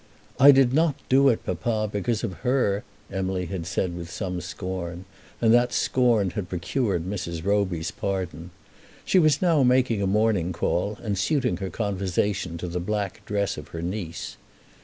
"I did not do it, papa, because of her," Emily had said with some scorn, and that scorn had procured Mrs. Roby's pardon. She was now making a morning call, and suiting her conversation to the black dress of her niece.